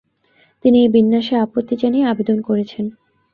তিনি এই বিন্যাসে আপত্তি জানিয়ে আবেদন করেছেন।